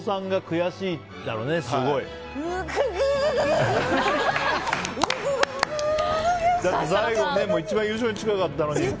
だって最後、一番優勝に近かったのに。